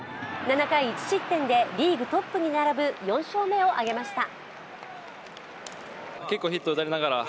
７回１失点でリーグトップに並ぶ４勝目を挙げました。